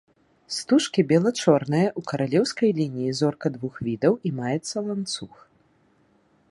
Стужкі бела-чорныя, у каралеўскай лініі зорка двух відаў і маецца ланцуг.